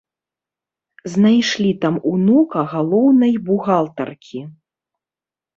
Знайшлі там унука галоўнай бухгалтаркі.